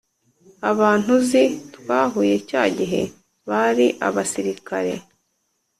Abantu uzi twahuye cya gihe bari abasirikare